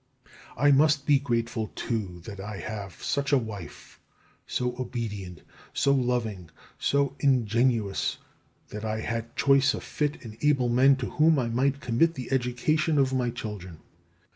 I must be grateful, too, that I have such a wife, so obedient, so loving, so ingenuous; that I had choice of fit and able men to whom I might commit the education of my children.